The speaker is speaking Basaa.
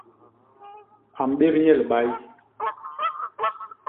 A mbép nye libay.